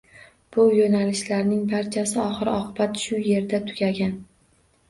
Bu yoʻnalishlarning barchasi oxir-oqibat shu yerda tugagan.